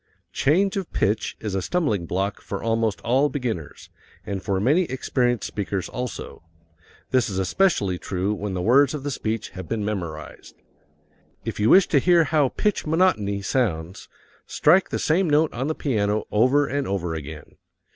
Change of pitch is a stumbling block for almost all beginners, and for many experienced speakers also. This is especially true when the words of the speech have been memorized. If you wish to hear how pitch monotony sounds, strike the same note on the piano over and over again.